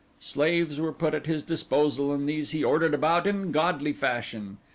Slaves were put at his disposal and these he ordered about in godly fashion.